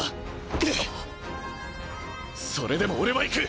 それでも俺は行く。